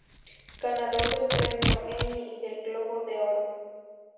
Ganador del premio Emmy y del Globo de Oro.